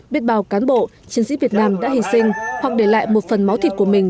biết bào cán bộ chiến sĩ việt nam đã hình sinh hoặc để lại một phần máu thịt của mình